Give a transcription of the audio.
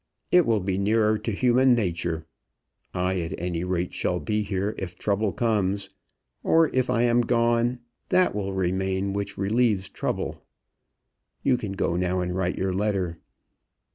It will be nearer to human nature. I, at any rate, shall be here if troubles come; or if I am gone, that will remain which relieves troubles. You can go now and write your letter."